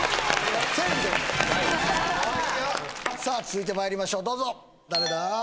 続いてまいりましょうどうぞ誰だ？